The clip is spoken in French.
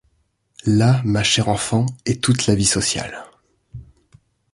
Là, ma chère enfant, est toute la vie sociale.